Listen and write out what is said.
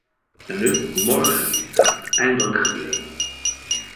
En nu, morgen, gaat het eindelijk gebeuren.